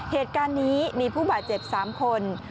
เหตุการณ์นี้มีผู้บาดเจ็บ๓คน